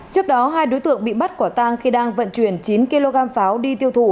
trước đó hai đối tượng bị bắt quả tang khi đang vận chuyển chín kg pháo đi tiêu thụ